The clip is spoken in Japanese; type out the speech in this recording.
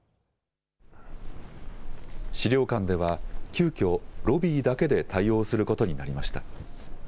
資料館では急きょロビーだけで対応することになりました。